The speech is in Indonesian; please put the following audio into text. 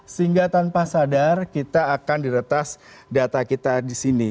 sehingga tanpa sadar kita akan diretas data kita di sini